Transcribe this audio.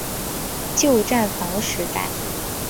旧站房时代。